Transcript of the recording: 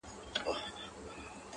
زموږ اعمال د ځان سرمشق کړه تاریخ ګوره٫